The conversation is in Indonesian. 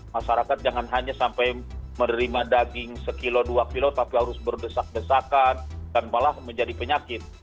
masyarakat jangan hanya sampai menerima daging sekilo dua kilo tapi harus berdesak desakan dan malah menjadi penyakit